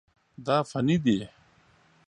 دا فني دي.